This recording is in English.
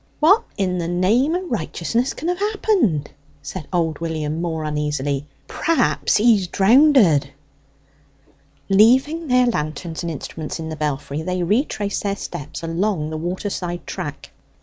"What in the name o' righteousness can have happened?" said old William, more uneasily. "Perhaps he's drownded!" Leaving their lanterns and instruments in the belfry they retraced their steps along the waterside track.